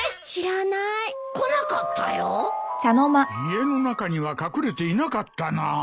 家の中には隠れていなかったなぁ。